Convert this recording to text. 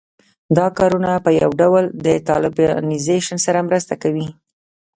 دا کارونه په یو ډول د طالبانیزېشن سره مرسته کوي